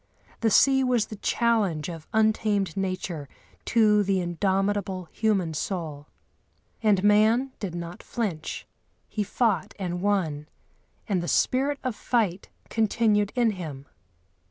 The sea was the challenge of untamed nature to the indomitable human soul. And man did not flinch; he fought and won, and the spirit of fight continued in him.